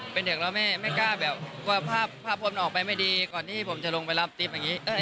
เป็นเด็กแล้วแม่ไม่กล้าแบบว่าภาพพลมันออกไปไม่ดีก่อนที่ผมจะลงไปรับติ๊บอย่างนี้